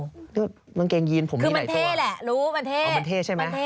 นี่ว่านางเกงยีนผมมีไหนตัวคือมันเท่แหละรู้มันเท่มันเท่ใช่ไหม